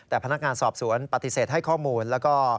แต่พนักงานสอบสวนปฏิเสธให้ข้อมูลแล้วก็